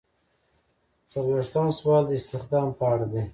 څلویښتم سوال د استخدام په اړه دی.